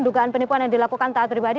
dugaan penipuan yang dilakukan taat pribadi